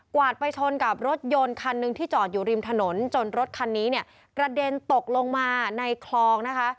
วาดไปชนกับรถยนต์คันหนึ่งที่จอดอยู่ริมถนนจนรถคันนี้เนี่ยกระเด็นตกลงมาในคลองนะคะ